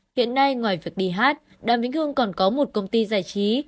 hiện nay ngoài việc đi hát đàm vĩnh hương còn có một công ty giải trí